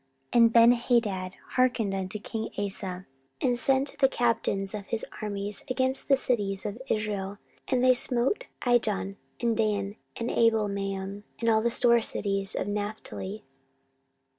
14:016:004 And Benhadad hearkened unto king Asa, and sent the captains of his armies against the cities of Israel; and they smote Ijon, and Dan, and Abelmaim, and all the store cities of Naphtali.